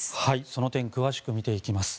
その点を詳しく見ていきます。